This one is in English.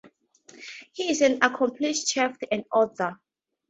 He is an accomplished chef and author.